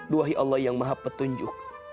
duhahi allah yang maha petunjuk